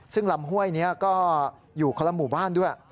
ซึ่งลำห้วยนี้ก็อยู่คนละหมู่บ้านด้วย